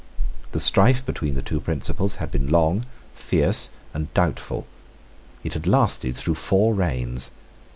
The strife between the two principles had been long, fierce, and doubtful. It had lasted through four reigns.